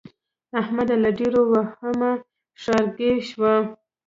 احمد له ډېره وهمه ښارګی شو.